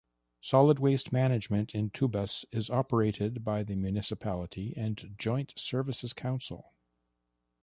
Solid waste management in Tubas is operated by the municipality and Joint Services Council.